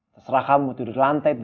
terserah kamu tidur di lantai